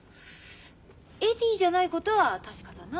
エディじゃないことは確かだな。